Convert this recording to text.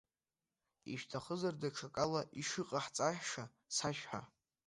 Ишәҭахызар, даҽакала ишыҟаҳҵаша сашәҳәа.